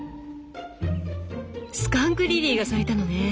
スカンクリリーが咲いたのね。